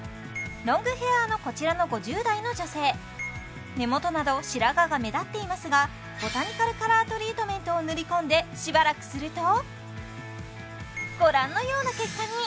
ロングヘアのこちらの５０代の女性根元など白髪が目立っていますがボタニカルカラートリートメントを塗り込んでしばらくするとご覧のような結果に！